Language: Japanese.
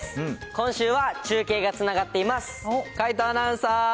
今週は中継がつながっています。